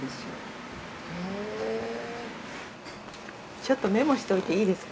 ちょっとメモしといていいですか？